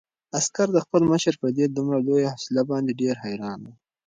عسکر د خپل مشر په دې دومره لویه حوصله باندې ډېر حیران و.